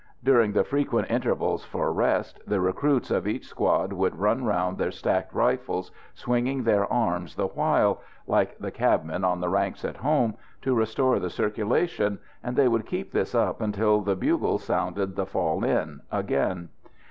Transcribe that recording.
During the frequent intervals for rest the recruits of each squad would run round their stacked rifles, swinging their arms the while like the cabmen on the ranks at home to restore the circulation; and they would keep this up until the bugle sounded the "fall in" again.